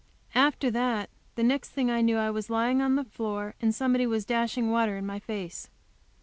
After that the next thing I knew I was lying on the floor and somebody was dashing water in my face.